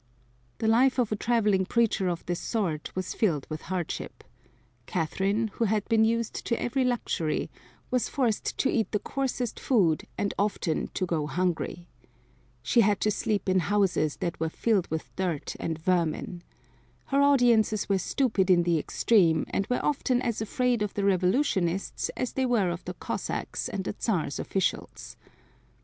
The life of a traveling preacher of this sort was filled with hardship. Catherine, who had been used to every luxury, was forced to eat the coarsest food and often to go hungry. She had to sleep in houses that were filled with dirt and vermin. Her audiences were stupid in the extreme, and were often as afraid of the revolutionists as they were of the Cossacks and the Czar's officials.